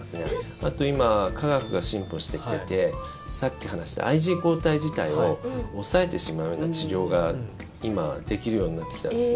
あと、今科学が進歩してきていてさっき話したＩｇＥ抗体自体を抑えてしまうような治療が今、できるようになってきたんですね。